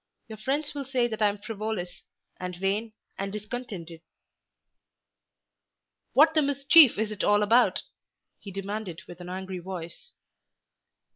Your friends will say that I am frivolous, and vain, and discontented." "What the mischief is it all about?" he demanded with an angry voice.